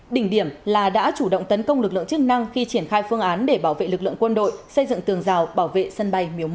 đỉnh điểm là đã chủ động tấn công lực lượng chức năng khi triển khai phương án để bảo vệ lực lượng quân đội xây dựng tường rào bảo vệ sân bay miếu một